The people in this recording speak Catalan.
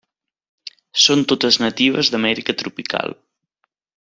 Són totes natives d'Amèrica tropical.